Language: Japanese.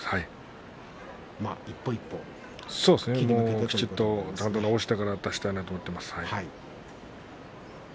一歩一歩きちんと治してから出したいなと思っています。